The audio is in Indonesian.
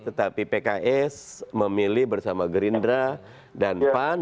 tetapi pks memilih bersama gerindra dan pan